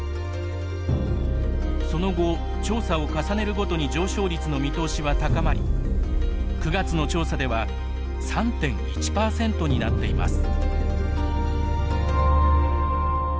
その後、調査を重ねるごとに上昇率の見通しは高まり９月の調査では３．１％になっています。